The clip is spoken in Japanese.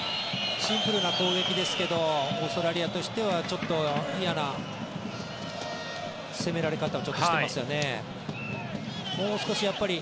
シンプルな攻撃ですけどオーストラリアとしてはちょっと嫌な攻められ方をしてますよね。